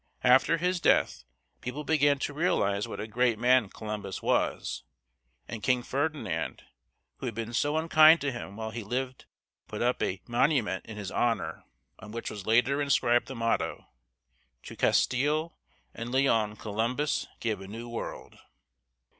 After his death, people began to realize what a great man Columbus was, and King Ferdinand, who had been so unkind to him while he lived, put up a monument in his honor, on which was later inscribed the motto: "To Castile and Leon Columbus gave a new world."